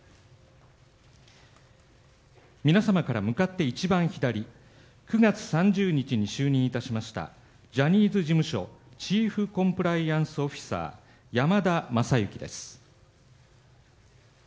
皆様から向かって一番左９月３０日に就任いたしましたジャニーズ事務所チーフコンプライアンスオフィサー山田将之です。